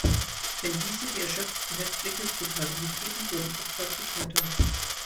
Wenn diese die erschöpften Häftlinge brutal antrieben, wurden Opfer zu Tätern.